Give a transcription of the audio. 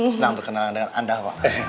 senang berkenalan dengan anda pak